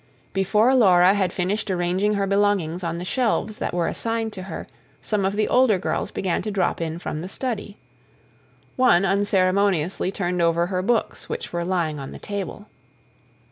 Before Laura had finished arranging her belongings on the shelves that were assigned to her, some of the older girls began to drop in from the study. One unceremoniously turned over her books, which were lying on the table.